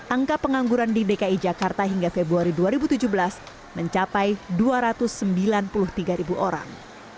angka pengangguran di dki jakarta hingga februari dua ribu tujuh belas mencapai dua ratus sembilan puluh tiga orang